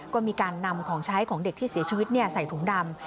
ก็มีการนำของใช้ของเด็กที่เสียชีวิตใส่ถุงดำ